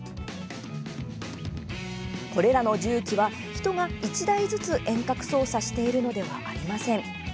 これらの重機は、人が１台ずつ遠隔操作しているのではありません。